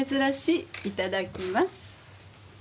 いただきます。